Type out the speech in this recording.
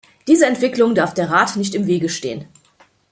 Dieser Entwicklung darf der Rat nicht im Wege stehen.